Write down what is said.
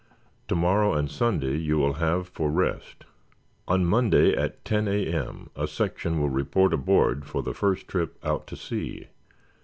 To morrow and Sunday you will have for rest. On Monday, at 10 A.M., a section will report aboard for the first trip out to sea.